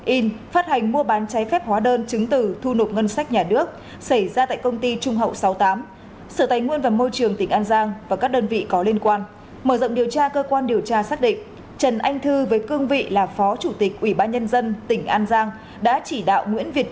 ông trần anh thư phó chủ tịch ubnd tỉnh an giang vừa bị cơ quan cảnh sát điều tra bỏ qua xe phạm trong quá trình khai thác mỏ cát mỹ hiệp